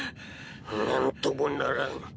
なんともならん。